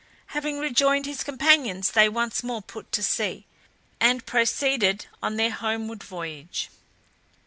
Having rejoined his companions they once more put to sea, and proceeded on their homeward voyage.